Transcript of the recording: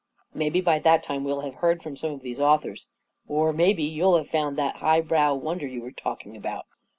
Maybe by that time well have heard from some of these authors — or maybe <■ ou'll have found that highbrow wonder you were talking about.